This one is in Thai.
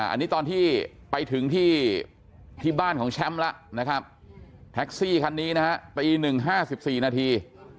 อันนี้ตอนที่ไปถึงที่บ้านของแชมป์แล้วนะครับแท็กซี่คันนี้นะฮะตี๑๕๔นาที